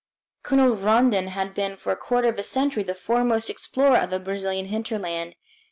Colonel Rondon has been for a quarter of a century the foremost explorer of the Brazilian hinterland.